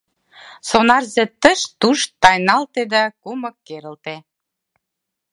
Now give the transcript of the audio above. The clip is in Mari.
Сонарзе тыш-туш тайналте да кумык керылте.